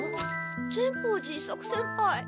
善法寺伊作先輩。